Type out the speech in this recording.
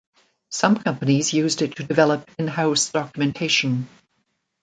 Some companies used it to develop in-house documentation.